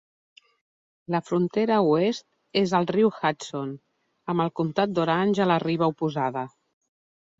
La frontera oest és el riu Hudson, amb el comtat d'Orange a la riba oposada.